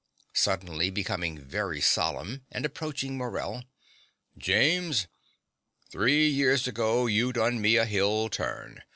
(Suddenly becoming very solemn, and approaching Morell.) James: three year ago, you done me a hill turn.